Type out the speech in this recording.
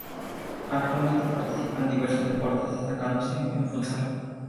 Actualmente participa en diversos deportes, destacándose en futsal.